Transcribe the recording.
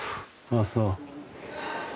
ああそう。